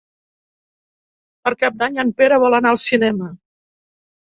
Per Cap d'Any en Pere vol anar al cinema.